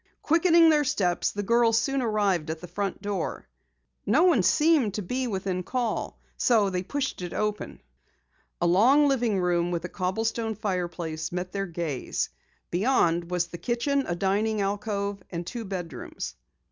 Quickening their steps, the girls soon arrived at the front door. No one seemed to be within call, so they pushed it open. A long living room with a cobblestone fireplace met their gaze. Beyond was the kitchen, a dining alcove, and two bedrooms.